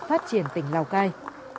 phát triển tỉnh lào cai